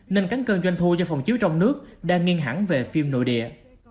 nên các cơn doanh thu do phòng chiếu trong nước đang nghiêng hẳn về phim nội địa